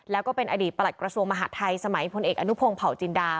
แล้วก็เป็นอดีตประหลัดกระทรวงมหาดไทยสมัยพลเอกอนุพงศ์เผาจินดา